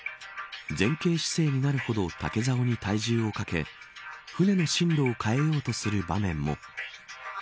前傾姿勢になるほど竹ざおに体重をかけ舟の進路を変えようとする場面も。